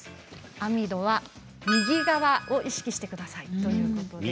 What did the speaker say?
網戸は右側を意識してくださいということです。